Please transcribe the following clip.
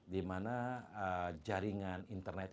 dimana jaringan internet